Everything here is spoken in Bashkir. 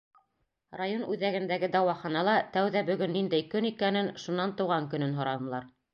Район үҙәгендәге дауаханала тәүҙә бөгөн ниндәй көн икәнен, шунан тыуған көнөн һоранылар.